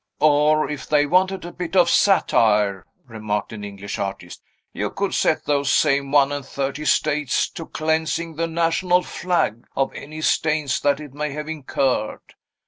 "Or, if they wanted a bit of satire," remarked an English artist, "you could set those same one and thirty States to cleansing the national flag of any stains that it may have incurred.